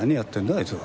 あいつは。